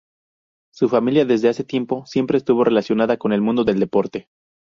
Su familia desde hace tiempo siempre estuvo relacionada con el mundo del deporte.